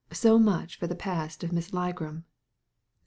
So much for the past of Miss Ligram.